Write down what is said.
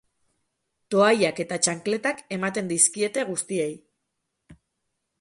Toallak eta txankletak ematen dizkiete guztiei.